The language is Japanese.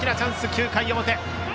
９回の表。